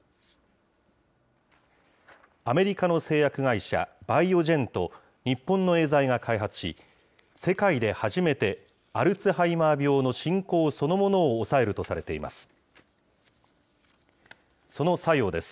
アメリカの製薬会社、バイオジェンと、日本のエーザイが開発し、世界で初めて、アルツハイマー病の進行そのものを抑えるとされています。